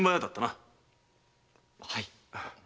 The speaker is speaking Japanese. はい。